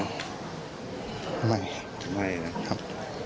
จะไม่นะครับ